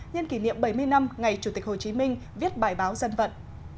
nhân kỷ niệm bảy mươi năm ngày chủ tịch hồ chí minh viết bài báo dân vận